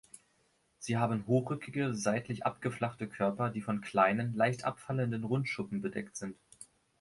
Sie haben hochrückige, seitlich abgeflachte Körper, die von kleinen, leicht abfallenden Rundschuppen bedeckt sind.